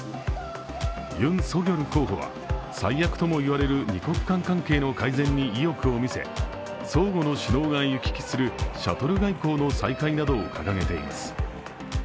ユン・ソギョル候補は最悪とも言われる二国間関係の改善に意欲を見せ、相互の首脳が行き来するシャトル外交の再開などを掲げています。